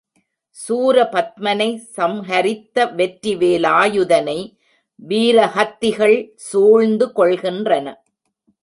சூரபத்மனை சம்ஹரித்த வெற்றி வேலாயுதனை வீர ஹத்திகள் சூழ்ந்து கொள்கின்றன.